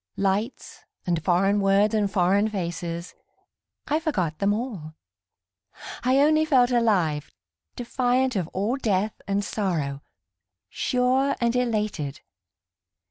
Lights and foreign words and foreign faces, I forgot them all; I only felt alive, defiant of all death and sorrow, Sure and elated.